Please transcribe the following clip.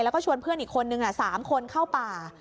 แล้วก็ชวนเพื่อนอีกคนนึง๓คนเข้าป่า